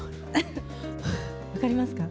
分かりますか？